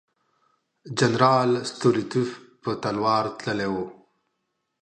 جنرال ستولیتوف په تلوار تللی وو.